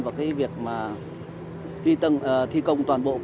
vào việc thi công toàn bộ